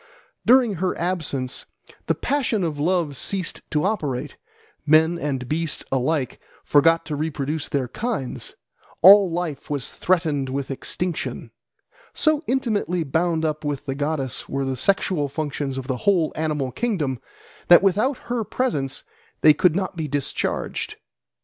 During her absence the passion of love ceased to operate: men and beasts alike forgot to reproduce their kinds: all life was threatened with extinction. So intimately bound up with the goddess were the sexual functions of the whole animal kingdom that without her presence they could not be discharged.